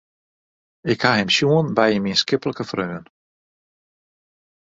Ik ha him sjoen by in mienskiplike freon.